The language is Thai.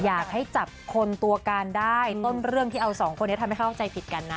อยากให้จับคนตัวการได้ต้นเรื่องที่เอาสองคนนี้ทำให้เข้าใจผิดกันนะ